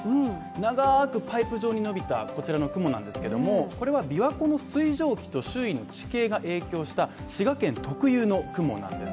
長くパイプ状に伸びたこちらの雲なんですけども、これは琵琶湖の水蒸気と周囲の地形が影響した滋賀県特有の雲なんです